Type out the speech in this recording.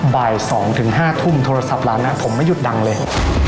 บ่าย๒๕ทุ่มโทรศัพท์ร้านนั้นผมไม่หยุดดังเลย